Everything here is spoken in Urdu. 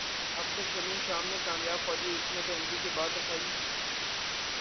اب سرزمین شام میں کامیاب فوجی حکمت عملی کے بعد حزب